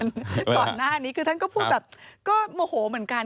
ก่อนหน้านี้คือท่านก็พูดแบบก็โมโหเหมือนกัน